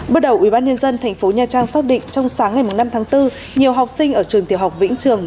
bước đầu ubnd tp nha trang xác định trong sáng ngày năm tháng bốn nhiều học sinh ở trường tiểu học vĩnh trường